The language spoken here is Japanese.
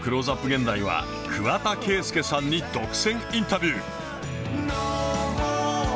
現代は、桑田佳祐さんに独占インタビュー。